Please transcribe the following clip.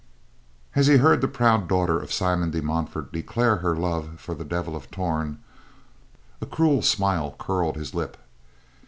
As he heard the proud daughter of Simon de Montfort declare her love for the Devil of Torn, a cruel smile curled his lip.